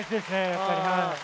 やっぱりね。